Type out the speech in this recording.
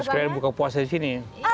jus kalian buka puasa disini ya